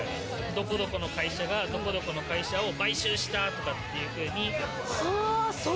どこどこの会社が、どこどこの会社を買収したとかっていうふうに。